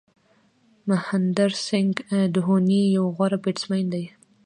مهندر سنگھ دهوني یو غوره بېټسمېن دئ.